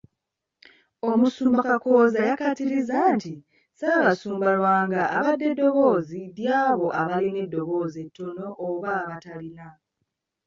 Omusumba Kakooza yakkaatirizza nti, "Ssaabasumba Lwanga abadde ddoboozi ly'abo abalina eddoboozi ettono oba abatalina.”